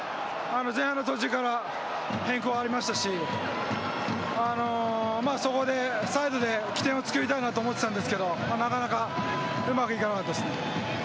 前半の途中から変更がありましたしそこでサイドで起点を作りたいなと思ってたんですがなかなかうまくいかなかったです。